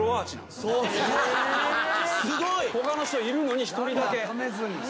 すごい。他の人いるのに一人だけ。